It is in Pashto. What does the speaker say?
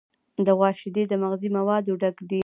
د غوا شیدې د مغذي موادو ډک دي.